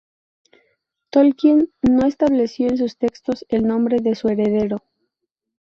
Tolkien no estableció en sus textos el nombre de su heredero.